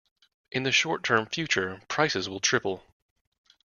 In the short term future, prices will triple.